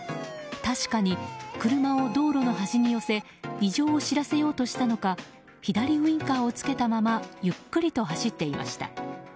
確かに、車を道路の端に寄せ異常を知らせようとしたのか左ウインカーをつけたままゆっくりと走っていました。